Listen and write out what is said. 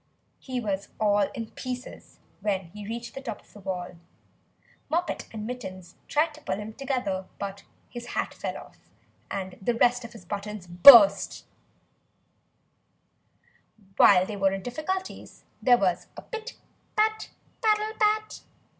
He was all in pieces when he reached the top of the wall. Moppet and Mittens tried to pull him together; his hat fell off, and the rest of his buttons burst. While they were in difficulties, there was a pit pat paddle pat!